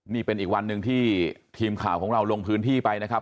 นี่เป็นอีกวันหนึ่งที่ทีมข่าวของเราลงพื้นที่ไปนะครับ